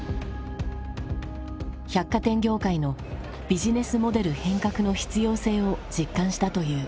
百貨店業界のビジネスモデル変革の必要性を実感したという。